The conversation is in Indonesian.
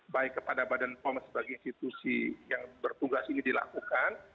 baik kepada badan pom sebagai institusi yang bertugas ini dilakukan